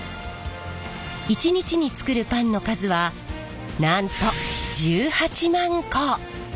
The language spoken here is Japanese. １日に作るパンの数はなんと１８万個！